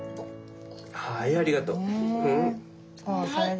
はいありがとう。ねえ。